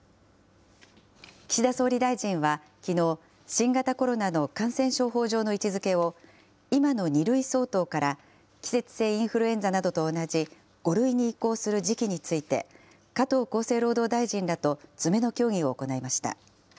岸田総理大臣は、きのう、新型コロナの感染症法上の位置づけを、今の２類相当から、季節性インフルエンザなどと同じ５類に移行する時期について、加藤厚生労働大臣らと詰めの協議を行いました。